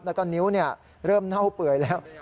แล้วก็นิ้วเริ่มเน่าเปื่อยแล้ว